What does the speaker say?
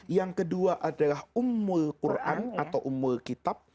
yang kedua adalah umul quran atau umul kitab